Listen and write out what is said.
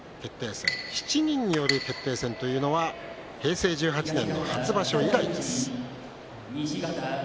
戦７人による決定戦というのは平成１８年の初場所以来です。